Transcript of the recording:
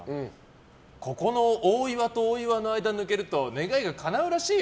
ここの大岩と大岩の間を抜けると願いがかなうらしいよ。